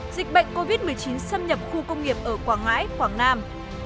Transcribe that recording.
dịch bệnh covid một mươi chín xâm nhập khu công nghiệp ở quảng ngãi quảng nam